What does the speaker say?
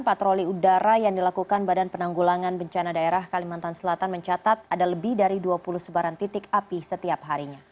patroli udara yang dilakukan badan penanggulangan bencana daerah kalimantan selatan mencatat ada lebih dari dua puluh sebaran titik api setiap harinya